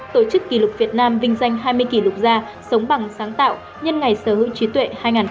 tổ chức kỷ lục việt nam vinh danh hai mươi kỷ lục gia sống bằng sáng tạo nhân ngày sở hữu trí tuệ hai nghìn một mươi chín